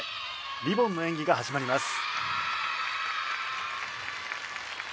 リボンの演技が始まります。